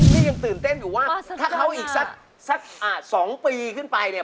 ยังตื่นเต้นอยู่ว่าถ้าเขาอีกสัก๒ปีขึ้นไปเนี่ย